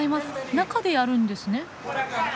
中でやるんですね？